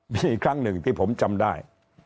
มีครั้งหนึ่งที่ผมจำได้